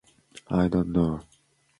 The rest of the membership is volunteer.